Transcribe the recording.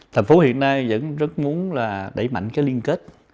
thành phố hiện nay vẫn rất muốn là đẩy mạnh cái liên kết